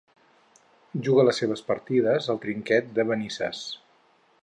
Juga les seues partides al Trinquet de Manises.